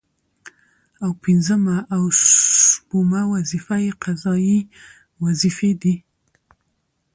او پنځمه او شپومه وظيفه يې قضايي وظيفي دي